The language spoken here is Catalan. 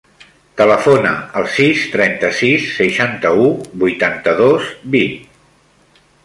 Telefona al sis, trenta-sis, seixanta-u, vuitanta-dos, vint.